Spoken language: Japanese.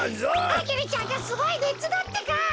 アゲルちゃんがすごいねつだってか！